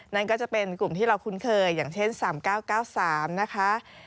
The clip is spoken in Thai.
นั่นก็จะเป็นกลุ่มที่เราคุ้นเคยอย่างเช่น๓๙๙๓นะคะ